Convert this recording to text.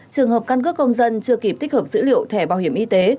trường hợp căn cước công dân chưa kịp tích hợp dữ liệu thẻ bảo hiểm y tế